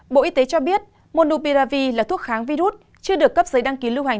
bộ y tế cho biết monoupiravi là thuốc kháng virus chưa được cấp giấy đăng ký lưu hành